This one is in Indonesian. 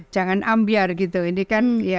jangan ambiar gitu ini kan